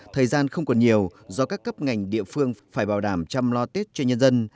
thời gian không còn nhiều do các cấp ngành địa phương phải bảo đảm chăm lo tết cho nhân dân